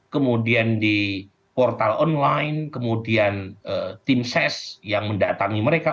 kemudian di portal online kemudian tim ses yang mendatangi mereka